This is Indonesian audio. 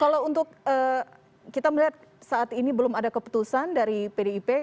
kalau untuk kita melihat saat ini belum ada keputusan dari pdip